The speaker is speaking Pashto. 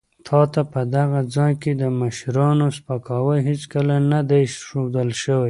تا ته په دغه ځای کې د مشرانو سپکاوی هېڅکله نه دی ښوول شوی.